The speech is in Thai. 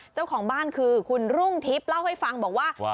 เจ้าของบ้านคือคุณรุ่งทิพย์เล่าให้ฟังบอกว่า